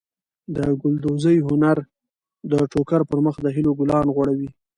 د ګلدوزۍ هنر د ټوکر پر مخ د هیلو ګلان غوړوي.